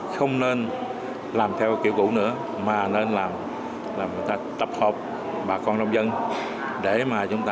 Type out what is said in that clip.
không nên làm theo kiểu cũ nữa mà nên làm người ta tập hợp bà con nông dân